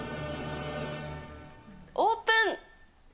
オープン。